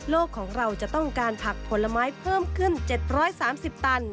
ของเราจะต้องการผักผลไม้เพิ่มขึ้น๗๓๐ตัน